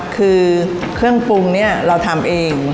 คือเครื่องปรุงเนี่ยเราทำเอง